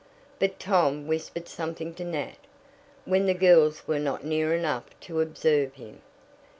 But Tom whispered something to Nat when the girls were not near enough to observe him.